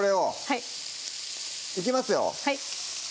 はいいきますよ